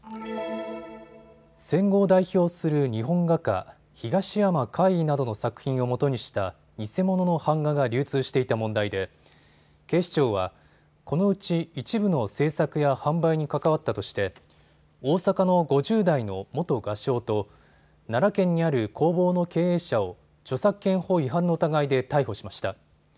戦後を代表する日本画家、東山魁夷などの作品をもとにした偽物の版画が流通していた問題で警視庁はこのうち一部の制作や販売に関わったとして大阪の５０代の元画商と奈良県にある工房の経営者を著作権法違反の疑いで逮捕しました。